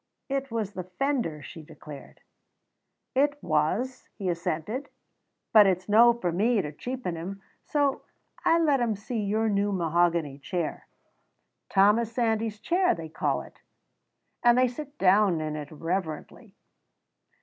"It was the fender," she declared. "It was," he assented, "but it's no for me to cheapen him, so I let them see your new mahogany chair. 'Thomas Sandys's chair,' they call it, and they sit down in it reverently.